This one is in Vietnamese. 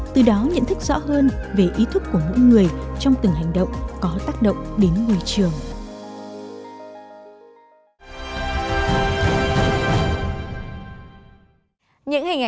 từ đó nhận thức rõ hơn về ý thức của mỗi người